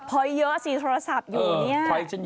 พอยเยอะสิโทรศัพท์อยู่เนี่ย